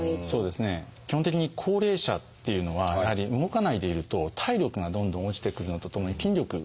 基本的に高齢者っていうのはやはり動かないでいると体力がどんどん落ちてくるのとともに筋力が落ちる。